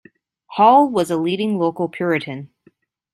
Hall was a leading local Puritan.